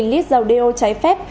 năm lít dầu đeo trái phép